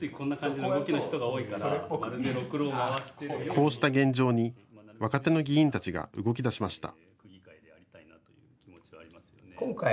こうした現状に若手の議員たちが動きだしました。